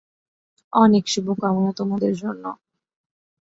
অনেক শুভ কামনা তোমাদের জন্য।